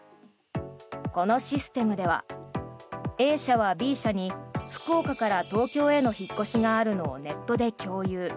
このシステムではＡ社はＢ社に福岡から東京への引っ越しがあるのをネットで共有。